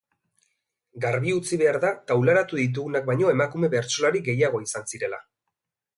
Garbi utzi behar da taularatu ditugunak baino emakume bertsolari gehiago izan zirela.